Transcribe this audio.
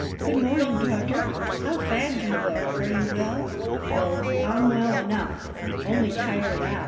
"Good morning, doctor; how fagged you look! Are you well?" "Oh, I'm well enough only tired out.